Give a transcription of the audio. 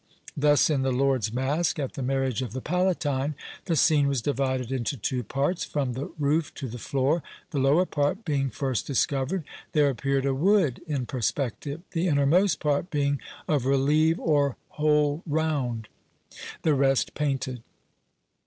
Thus in the Lord's Masque, at the marriage of the Palatine, the scene was divided into two parts, from the roof to the floor; the lower part being first discovered, there appeared a wood in perspective, the innermost part being of "releeve or whole round," the rest painted.